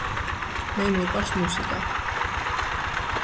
მე მიყვარს მუსიკა